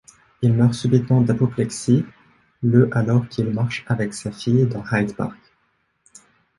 Il meurt subitement d'apoplexie le alors qu'il marche avec sa fille dans Hyde Park.